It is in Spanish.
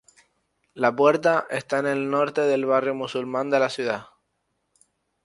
La puerta está en el noreste del Barrio Musulmán de la ciudad.